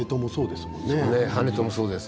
跳人もそうです。